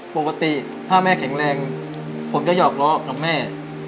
ปกติถ้าแม่แข็งแรงผมจะหอกล้อกับแม่